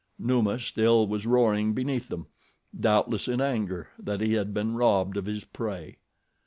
Numa still was roaring beneath them, doubtless in anger that he had been robbed of his prey.